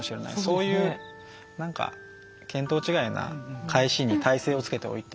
そういう見当違いな返しに耐性をつけておいて。